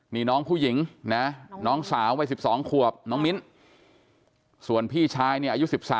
นี่น้องผู้หญิงนะน้องสาววัย๑๒ขวบน้องมิ้นส่วนพี่ชายเนี่ยอายุ๑๓